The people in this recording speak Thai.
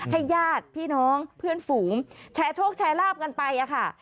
ญาติพี่น้องเพื่อนฝูงแชร์โชคแชร์ลาบกันไปค่ะ